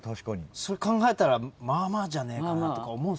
それ考えたらまあまあじゃねえかなとか思うんすけどね。